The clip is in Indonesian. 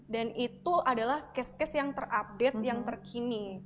dan itu adalah case case yang terupdate yang terkini